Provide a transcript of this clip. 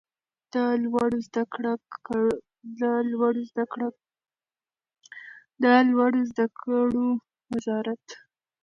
د لوړو زده کړو وزارت